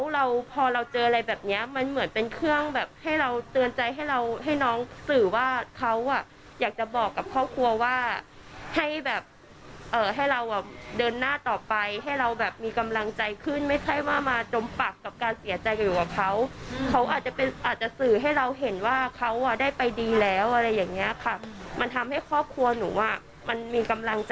เราพอเราเจออะไรแบบเนี้ยมันเหมือนเป็นเครื่องแบบให้เราเตือนใจให้เราให้น้องสื่อว่าเขาอ่ะอยากจะบอกกับครอบครัวว่าให้แบบเอ่อให้เราแบบเดินหน้าต่อไปให้เราแบบมีกำลังใจขึ้นไม่ใช่ว่ามาจมปักกับการเสียใจอยู่กับเขาเขาอาจจะเป็นอาจจะสื่อให้เราเห็นว่าเขาอ่ะได้ไปดีแล้วอะไรอย่างเงี้ยค่ะมันทำให้ครอบครัวหนูอ่ะมันมีกำลังก